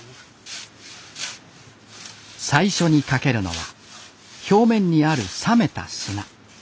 最初にかけるのは表面にある冷めた砂。